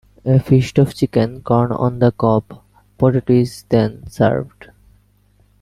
A feast of chicken, corn-on-the-cob, potato is then served.